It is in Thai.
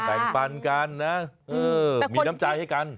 งปันกันนะมีน้ำใจให้กัน